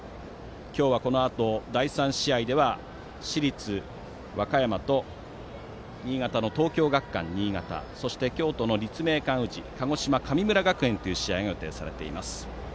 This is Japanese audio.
今日はこのあと第３試合では市立和歌山と新潟の東京学館新潟そして京都の立命館宇治鹿児島・神村学園という試合が予定されています。